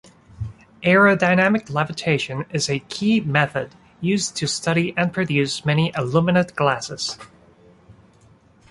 Aerodynamic levitation is a key method used to study and produce many aluminate glasses.